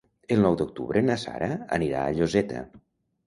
El nou d'octubre na Sara anirà a Lloseta.